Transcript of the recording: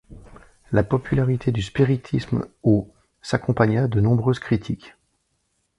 La popularité du spiritisme au s’accompagna de nombreuses critiques.